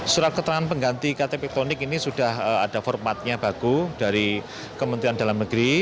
surat keterangan pengganti ktp elektronik ini sudah ada formatnya baku dari kementerian dalam negeri